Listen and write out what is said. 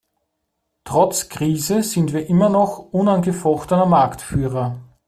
Trotz Krise sind wir immer noch unangefochtener Marktführer.